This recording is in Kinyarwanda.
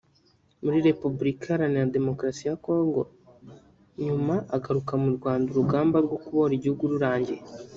muri Repubulika Iharanira Demokarasi ya Congo nyuma agaruka mu Rwanda urugamba rwo kubohora igihugu rurangiye